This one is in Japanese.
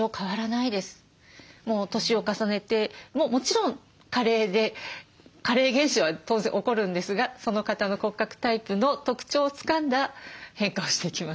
もう年を重ねてもちろん加齢で加齢現象は当然起こるんですがその方の骨格タイプの特徴をつかんだ変化をしていきます。